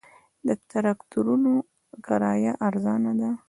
د تراکتورونو کرایه ارزانه ده